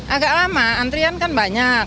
agak lama antrian kan banyak